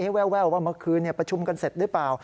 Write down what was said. แววว่าเมื่อคืนประชุมกันเสร็จหรือเปล่า